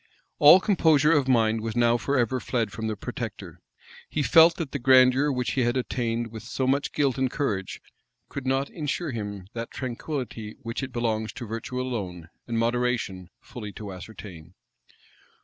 All composure of mind was now forever fled from the protector: he felt that the grandeur which he had attained with so much guilt and courage, could not insure him that tranquillity which it belongs to virtue alone, and moderation, fully to ascertain.